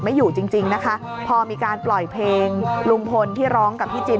ไม่อยู่จริงจริงนะคะพอมีการปล่อยเพลงลุงพลที่ร้องกับพี่จิน